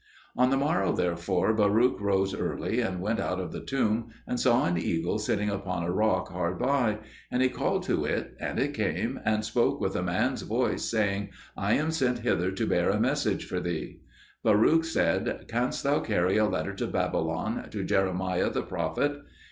On the morrow, therefore, Baruch rose early and went out of the tomb, and saw an eagle sitting upon a rock hard by; and he called to it and it came, and spoke with a man's voice, saying, "I am sent hither to bear a message for thee." Baruch said, "Canst thou carry a letter to Babylon, to Jeremiah the prophet?"